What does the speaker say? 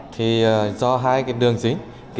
thì do hai cái đường dính